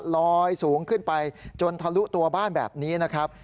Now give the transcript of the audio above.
ลอยสูงขึ้นไปจนทะลุตัวบ้านแบบนี้นะครับ